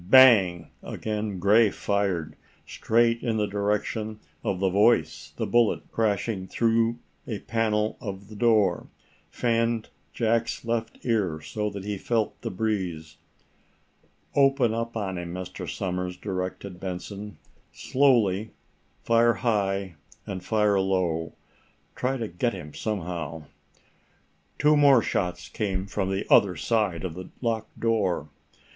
Bang! Again Gray fired, straight in the direction of the voice the bullet, crashing through a panel of the door, fanned Jack's left ear so that he felt the breeze. "Open up on him, Mr. Somers," directed Benson. "Slowly. Fire high, and fire low. Try to get him somehow." Two more shots came from the other side of the locked door.